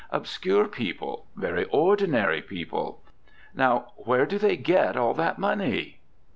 Obscure people! Very ordinary people! Now where do they get all that money?